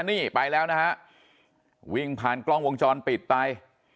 นี่ไปแล้วนะฮะวิ่งผ่านกล้องวงจรปิดไป